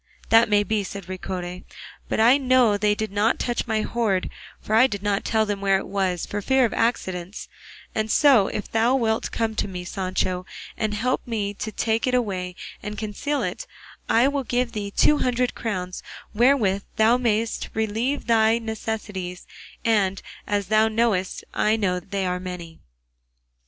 "That may be," said Ricote; "but I know they did not touch my hoard, for I did not tell them where it was, for fear of accidents; and so, if thou wilt come with me, Sancho, and help me to take it away and conceal it, I will give thee two hundred crowns wherewith thou mayest relieve thy necessities, and, as thou knowest, I know they are many."